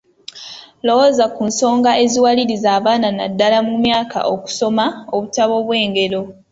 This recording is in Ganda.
Lowooza ku nsonga eziwaliriza abaana naddala mu myaka okusoma obutabo bw’engero.